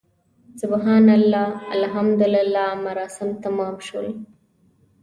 سبحان الله، الحمدلله مراسم تمام شول.